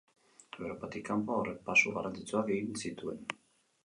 Europatik kanpo, aurrerapauso garrantzitsuak egin zituen.